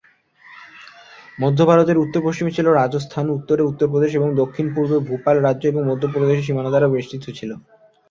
মধ্য ভারতের উত্তর-পশ্চিমে ছিল রাজস্থান, উত্তরে উত্তর প্রদেশ এবং দক্ষিণ পূর্বে ভোপাল রাজ্য এবং মধ্য প্রদেশের সীমানা দ্বারা বেষ্টিত ছিল।